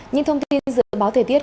những thông tin dự báo thời tiết